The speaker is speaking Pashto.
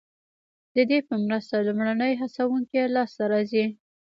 ددې په مرسته لومړني هڅوونکي لاسته راځي.